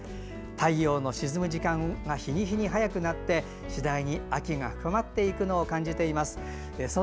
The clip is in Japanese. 太陽の沈む時間が日に日に早くなって次第に秋が深まっていくのを感じていますと。